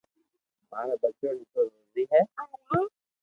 ماري ٻچو ري تو روزي ھي